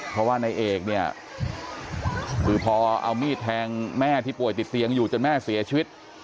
เพราะว่านายเอกเนี่ยคือพอเอามีดแทงแม่ที่ป่วยติดเตียงอยู่จนแม่เสียชีวิต